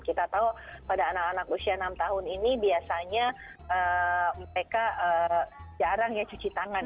kita tahu pada anak anak usia enam tahun ini biasanya mereka jarang ya cuci tangan